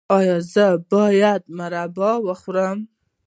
ایا زه باید مربا وخورم؟